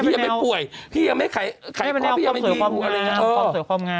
พี่ยังไม่ป่วยพี่ยังไม่ขายขายข้อพี่ยังไม่ดีสวยความงามสวยความงาม